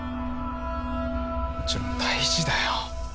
もちろん大事だよ。